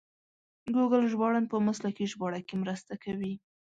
ګوګل ژباړن په مسلکي ژباړه کې مرسته کوي.